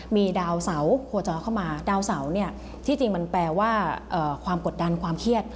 มีดาวเสาโคจรเข้ามาดาวเสาเนี่ยที่จริงมันแปลว่าความกดดันความเครียด